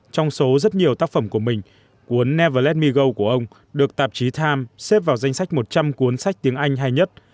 trong số rất nhiều tác phẩm của mình cuốn never let me go của ông được tạp chí time xếp vào danh sách một trăm linh cuốn sách tiếng anh hay nhất